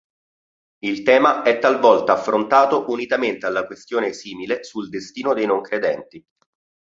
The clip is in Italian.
Il tema è talvolta affrontato unitamente alla questione simile sul destino dei non credenti.